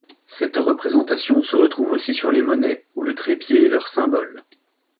Cette représentation se retrouve aussi sur les monnaies, où le trépied est leur symbole.